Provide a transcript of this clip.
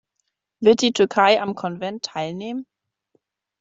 Wird die Türkei am Konvent teilnehmen?